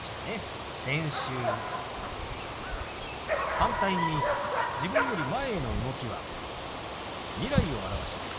反対に自分より前への動きは未来を表します。